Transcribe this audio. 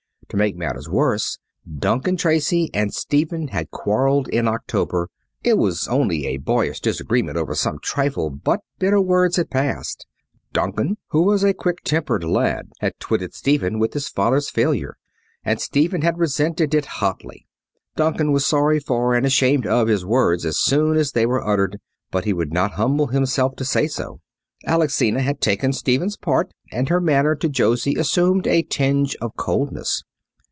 To make matters worse, Duncan Tracy and Stephen had quarrelled in October. It was only a boyish disagreement over some trifle, but bitter words had passed. Duncan, who was a quick tempered lad, had twitted Stephen with his father's failure, and Stephen had resented it hotly. Duncan was sorry for and ashamed of his words as soon as they were uttered, but he would not humble himself to say so. Alexina had taken Stephen's part and her manner to Josie assumed a tinge of coldness.